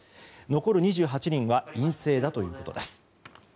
残る２８人は陰性だということです。